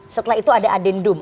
setelah itu ada adendum